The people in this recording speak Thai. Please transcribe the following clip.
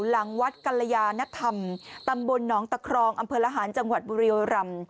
หลังวัดกัณฑยานทรรมตำบนน้องตะครองอำเผลอหารจังหวัดบริโรรัม